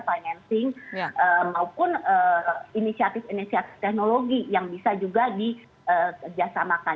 financing maupun inisiatif inisiatif teknologi yang bisa juga dikerjasamakan